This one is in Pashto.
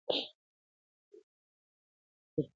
ګورﺉقاسم یار چي په ګناه کي هم تقوا کوي-